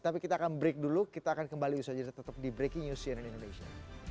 tapi kita akan break dulu kita akan kembali usaha jeda tetap di breaking news cnn indonesia